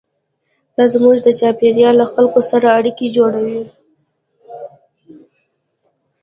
دا زموږ چارچاپېره له خلکو سره اړیکې جوړوي.